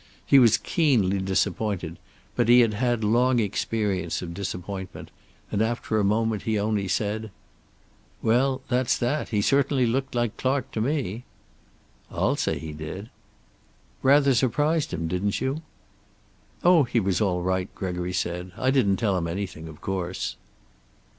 He was keenly disappointed, but he had had long experience of disappointment, and after a moment he only said: "Well, that's that. He certainly looked like Clark to me." "I'll say he did." "Rather surprised him, didn't you?" "Oh, he was all right," Gregory said. "I didn't tell him anything, of course."